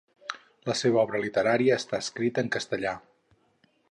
La seva obra literària està escrita en castellà.